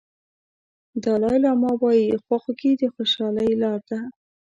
دالای لاما وایي خواخوږي د خوشالۍ لار ده.